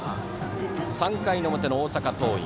３回の表の大阪桐蔭。